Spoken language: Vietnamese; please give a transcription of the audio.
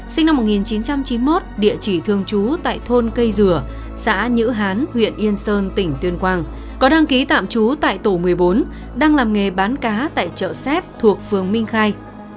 sinh năm một nghìn chín trăm chín mươi một địa chỉ thường trú tại thôn cây dừa xã nhữ hán huyện yên sơn tỉnh tuyên quang có đăng ký tạm trú tại tổ một mươi bốn đang làm nghề bán cá tại chợ xét thuộc phường minh khai